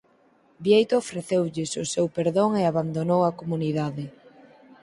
Bieito ofreceulles o seu perdón e abandonou a comunidade.